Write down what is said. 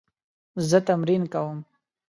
زه تمرین کوم